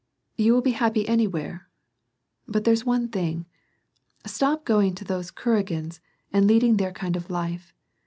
You will be happy any K WAR AND PEACE. 3S where ; but there's one thing. Stop going to those Kuragins and leading their kind of life.